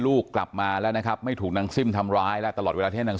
ลูกกลับมาแล้วนะครับไม่ถูกนางซิ่มทำร้ายแล้วตลอดเวลาที่นาง